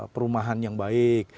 perumahan yang baik